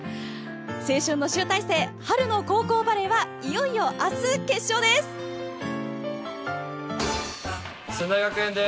青春の集大成春の高校バレーはいよいよ明日決勝です。